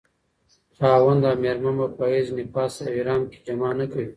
خاوند او ميرمن به په حيض، نفاس او احرام کي جماع نکوي